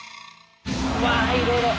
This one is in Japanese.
うわいろいろ。